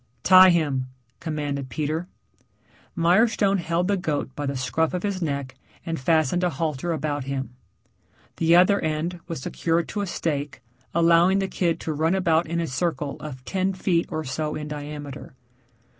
"Tie him," commanded Peter. Mirestone held the goat by the scruff of his neck and fastened a halter about him. The other end was secured to a stake allowing the kid to run about in a circle of ten feet or so in diameter.